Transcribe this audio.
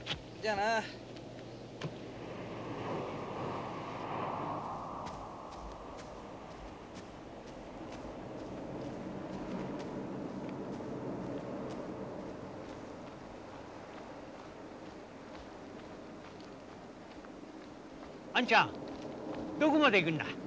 あんちゃんどこまで行くんだ？